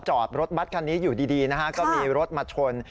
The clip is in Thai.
จอดรถบัตรคันนี้อยู่ดีนะฮะก็มีรถมาชน